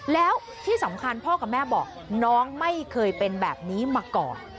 แล้วที่สำคัญพ่อกับแม่บอกน้องไม่เคยเป็นแบบนี้มาก่อน